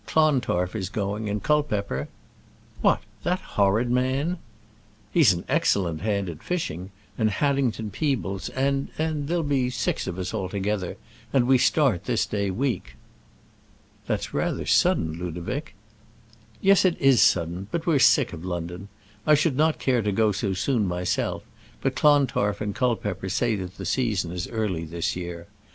Clontarf is going, and Culpepper " "What, that horrid man!" "He's an excellent hand at fishing; and Haddington Peebles, and and there'll be six of us altogether; and we start this day week." "That's rather sudden, Ludovic." "Yes, it is sudden; but we're sick of London. I should not care to go so soon myself, but Clontarf and Culpepper say that the season is early this year.